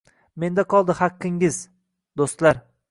Menda qoldi haqqingiz, do’stlar